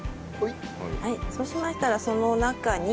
はいそうしましたらその中に片栗粉。